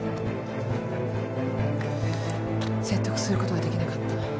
説得することはできなかった。